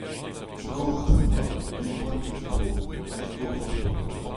Digoret em boa, ne'm boa ket digoret, ha digoret ho poa.